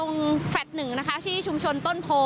ตรงแฟลต์หนึ่งชื่อชุมชนต้นโพ